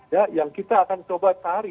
ya yang kita akan coba cari